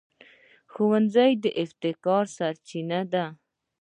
ښوونځی د ابتکار سرچینه ده